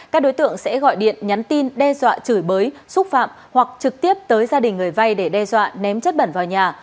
các đối tượng sẽ gọi điện nhắn tin đe dọa chửi bới xúc phạm hoặc trực tiếp tới gia đình người vay để đe dọa ném chất bẩn vào nhà